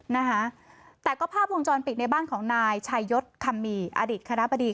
นะคะแต่ก็ภาพวงจรปิดในบ้านของนายชายศคัมมีอดีตคณะบดี